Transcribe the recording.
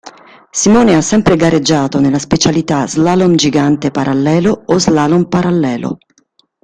Simone ha sempre gareggiato nella specialità slalom gigante parallelo o slalom parallelo.